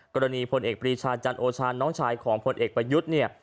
กรณีพลเอกบริชาจัลโอชารห์น้องชายของพลเอกบริยุทธ์เนี้ย